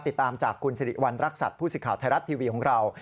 ติดตามจากคุณสิริวัณรักษัตริย์ผู้สิทธิ์ไทยรัฐทีวีของเรา